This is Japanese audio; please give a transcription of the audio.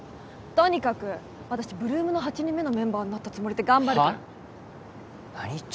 とにかく私８ＬＯＯＭの８人目のメンバーになったつもりで頑張るからはっ？